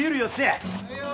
はいよ！